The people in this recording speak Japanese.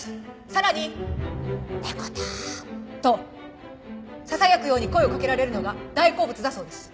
さらに「ネコ太」と囁くように声をかけられるのが大好物だそうです。